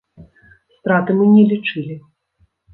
Страты мы не лічылі.